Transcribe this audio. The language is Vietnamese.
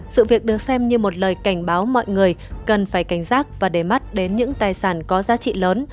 sự việc được xem như một lời cảnh báo mọi người cần phải cảnh giác và để mắt đến những tài sản có giá trị lớn